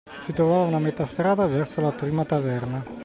Si trovavano a metà strada verso la prima taverna.